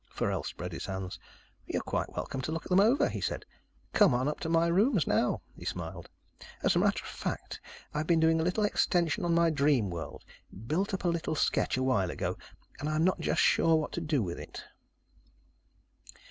Forell spread his hands. "You're quite welcome to look them over," he said. "Come on up to my rooms now." He smiled. "As a matter of fact, I've been doing a little extension on my dream world. Built up a little sketch a while ago, and I'm not just sure what to do with it."